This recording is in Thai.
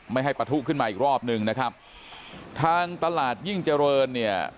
ไม่ให้ปะทุขึ้นมาอีกรอบหนึ่งนะครับทางตลาดยิ่งเจริญเนี่ย